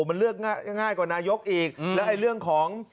มันเลือกง่ายกว่านายกอีกแล้วไอ้เรื่องของ